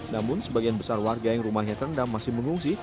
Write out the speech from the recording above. namun sebagian besar warga yang rumahnya terendam masih mengungsi